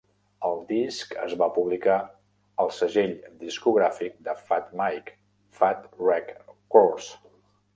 El disc es va publicar al segell discogràfic de Fat Mike, Fat Wreck Chords.